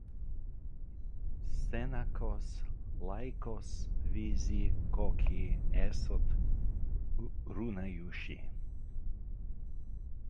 Senākos laikos visi koki esot runājuši.